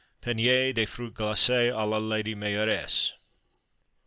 Paniér de Fruit glacé à la Lady Mayoress.